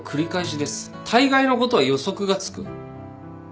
たいがいのことは予測がつく。